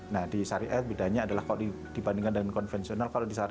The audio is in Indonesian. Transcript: nah di syariah bedanya adalah kalau dibandingkan dengan konvensional